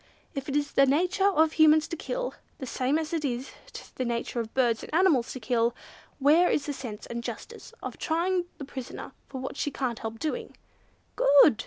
If it is the nature of Humans to kill, the same as it is the nature of birds and animals to kill, where is the sense and justice of trying the prisoner for what she can't help doing?" "Good!"